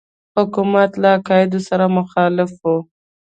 حکومت له عقایدو سره مخالف وو.